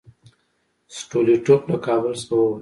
سټولیټوف له کابل څخه ووت.